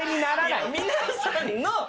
いや皆さんの。